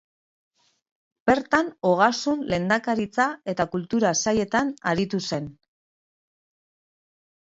Bertan Ogasun, Lehendakaritza eta Kultura sailetan aritu zen.